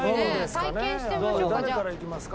体験してみましょうか。